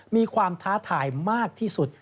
มีความท้าทายมากที่สุด